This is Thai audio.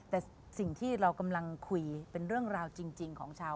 แต่สิ่งที่เรากำลังคุยเป็นเรื่องราวจริงของชาว